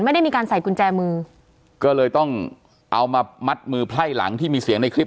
ไม่ได้มีการใส่กุญแจมือก็เลยต้องเอามามัดมือไพ่หลังที่มีเสียงในคลิป